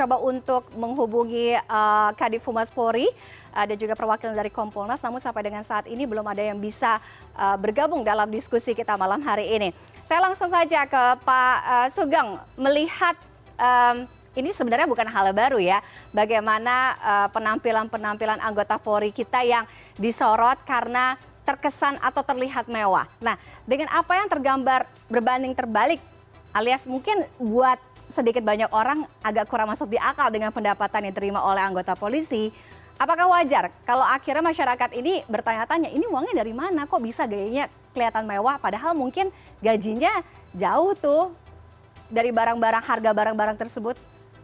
akhirnya masyarakat ini bertanya tanya ini uangnya dari mana kok bisa kayaknya kelihatan mewah padahal mungkin gajinya jauh tuh dari barang barang harga barang barang tersebut